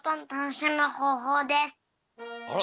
あら！